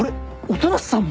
音無さんも？